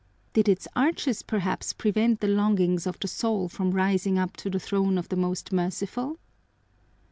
Did its arches perhaps prevent the longings of the soul from rising up to the throne of the Most Merciful?